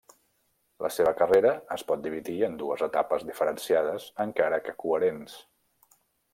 La seva carrera es pot dividir en dues etapes diferenciades encara que coherents.